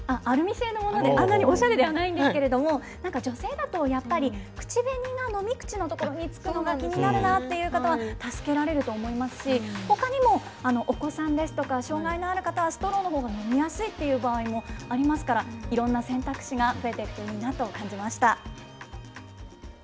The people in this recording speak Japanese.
アルミ製のもので、あんなにおしゃれではないんですけれども、女性だとやっぱり、口紅が飲み口の所に、つくのが気になるなという方は、助けられると思いますし、ほかにも、お子さんですとか、障害がある方は、ストローのほうが飲みやすいという場合もありますから、いろんな選択肢が増えていくといいなと感じました。